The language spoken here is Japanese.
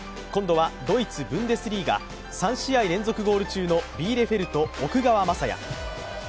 今度はドイツ・ブンデスリーガ、３試合連続ゴール中のビーレフェルトの奥川雅也。